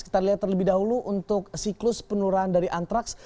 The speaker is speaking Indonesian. kita lihat terlebih dahulu untuk siklus penularan dari antraks